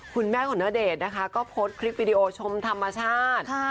คุณแม่ของณเดชน์นะคะก็โพสต์คลิปวิดีโอชมธรรมชาติ